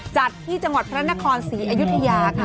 จัดที่จังหวัดพระนครศรีอยุธยาค่ะ